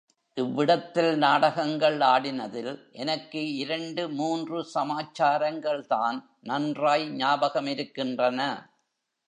இவ்விடத்தில் நாடகங்கள் ஆடினதில் எனக்கு இரண்டு மூன்று சமாச்சாரங்கள்தான் நன்றாய் ஞாபகமிருக்கின்றன.